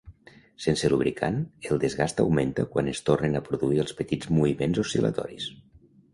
Sense lubricant, el desgast augmenta quan es tornen a produir els petits moviments oscil·latoris.